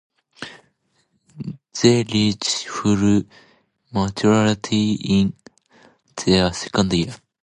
They reach full maturity in their second year.